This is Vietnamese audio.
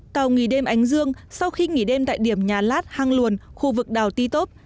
tàu nghỉ đêm ánh dương sau khi nghỉ đêm tại điểm nhà lát hang luồn khu vực đào ti tốp